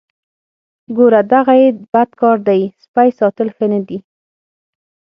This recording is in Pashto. ګوره دغه یې بد کار دی سپی ساتل ښه نه دي.